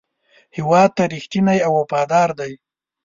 هېواد ته رښتینی او وفادار دی.